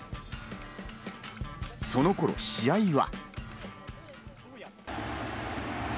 その頃、試合は。